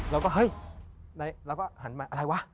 แล้วก็เฮ้ยแล้วก็หันมาอะไรวะ